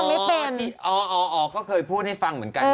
เออเหรออ๋อเขาเคยพูดให้ฟังเหมือนกันนะครับ